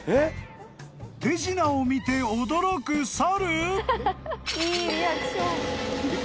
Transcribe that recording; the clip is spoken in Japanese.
［手品を見て驚く猿？］